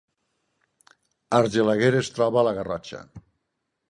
Argelaguer es troba a la Garrotxa